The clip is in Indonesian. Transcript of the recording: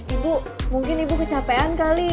ibu mungkin ibu kecapean kali